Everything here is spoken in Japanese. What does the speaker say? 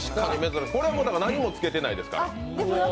これは何もつけてないですから。